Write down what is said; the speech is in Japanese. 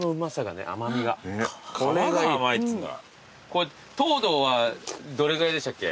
これ糖度はどれぐらいでしたっけ？